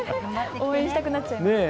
応援したくなっちゃいますね。